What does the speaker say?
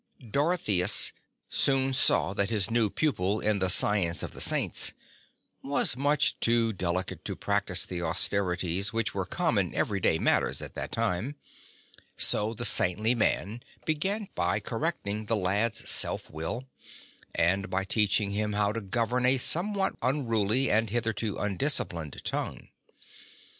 Dorotheus soon saw that his new pupil in the Science of the Saints was much too delicate to practise the austerities which were common every day matters at that time, so the saintly man began by correcting the lad's self will, and by teaching him how to govern a somewhat unruly, and hitherto undisciplined, tongue.